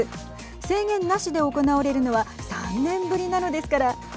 制限なしで行われるのは３年ぶりなのですから。